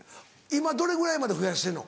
今どれぐらいまで増やしてんの？